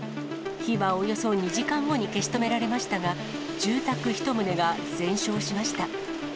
火はおよそ２時間後に消し止められましたが、住宅１棟が全焼しました。